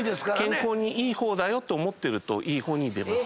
健康にいい方だよと思ってるといい方に出ます。